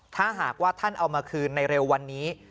ถ้าหากว่าท่านเอามาคืนในเร็ววันนี้